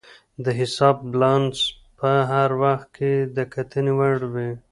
د حساب بیلانس په هر وخت کې د کتنې وړ وي.